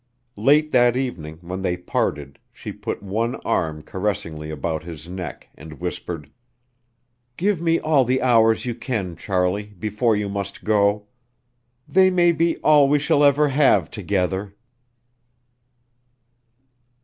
Late that evening when they parted she put one arm caressingly about his neck and whispered: "Give me all the hours you can, Charlie, before you must go; they may be all we shall ever have together."